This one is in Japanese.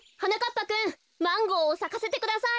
ぱくんマンゴーをさかせてください。